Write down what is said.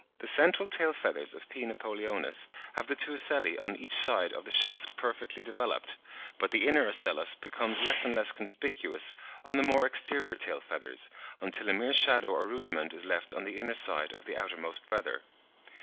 The central tail feathers of P. napoleonis have the two ocelli on each side of the shaft perfectly developed; but the inner ocellus becomes less and less conspicuous on the more exterior tail feathers, until a mere shadow or rudiment is left on the inner side of the outermost feather.